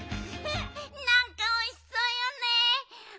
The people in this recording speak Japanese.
なんかおいしそうよね。